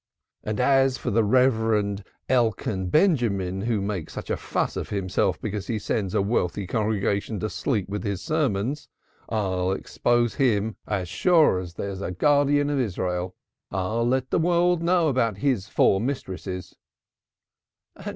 As for the Rev. Elkan Benjamin, who makes such a fuss of himself because he sends a wealthy congregation to sleep with his sermons, I'll expose him as sure as there's a Guardian of Israel. I'll let the world know about his four mistresses."